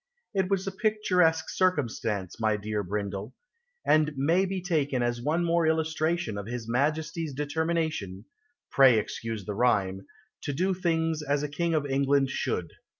It was a picturesque circumstance, my dear Brindle. And may be taken As one more illustration Of his Majesty's determination (Pray excuse the rhyme) To do things as a king of England should.